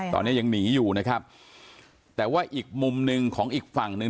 ตอนนี้ยังหนีอยู่นะครับแต่ว่าอีกมุมหนึ่งของอีกฝั่งหนึ่ง